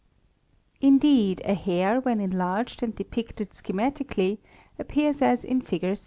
| Indeed a hair when enlarged and depicted schematically appears as in Fig.